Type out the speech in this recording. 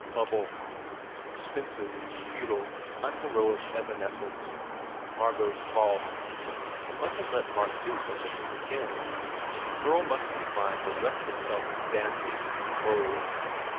Bubble! Expensive, futile, unheroic evanescence. Margot s fault. He mustn t let Mark do such a thing again. The girl must confine her restless self to dances and clothes.